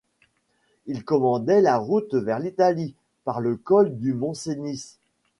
Il commandait la route vers l'Italie, par le col du Mont-Cenis.